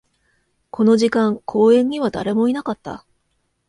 この時間、公園には誰もいなかった